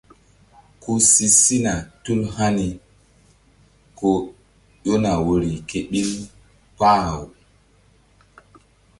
Ku si sina tul hani ko ƴona woyri ké ɓil kpah-aw.